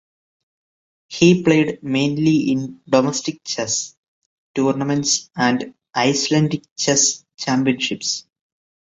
He played mainly in domestic chess tournaments and Icelandic Chess Championships.